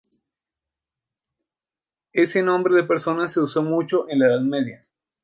Ese nombre de persona se usó mucho en la Edad Media.